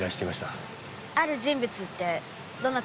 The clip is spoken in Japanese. ある人物ってどなたですか？